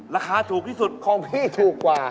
ราคาถูกที่สุดคลิปถูกกว่า